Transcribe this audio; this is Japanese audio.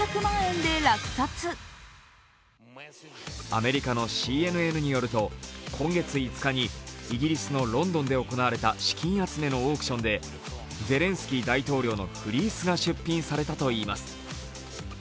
アメリカのＣＮＮによると今月５日にイギリスのロンドンで行われた資金集めのオークションでゼレンスキー大統領のフリースが出品されたといいます。